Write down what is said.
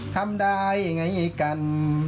ทำได้ไงกัน